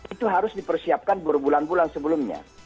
itu harus dipersiapkan baru bulan bulan sebelumnya